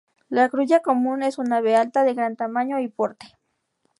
La grulla común es un ave alta de gran tamaño y porte.